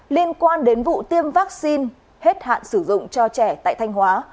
liên quan đến vụ tiêm vaccine hết hạn sử dụng cho trẻ tại thanh hóa